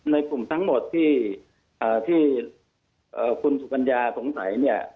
ในกลุ่มทั้งหมดที่คุณศุกรรยาสงสัย